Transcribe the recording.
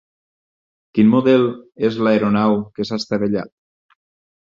Quin model és l'aeronau que s'ha estavellat?